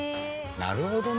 なるほどね。